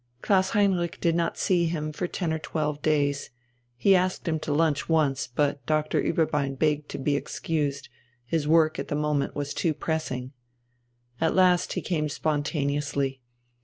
Klaus Heinrich did not see him for ten or twelve days. He asked him to lunch once, but Doctor Ueberbein begged to be excused, his work at the moment was too pressing. At last he came spontaneously.